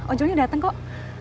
ojo nya udah dateng kok